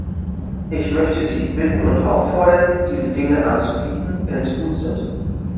Ich möchte Sie bitten und auffordern, diese Dinge anzubieten, wenn sie gut sind.